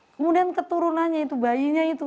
kemudian keturunannya itu bayinya itu